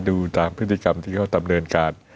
ดูตามพฤติกรรมที่เขาดำเนินการ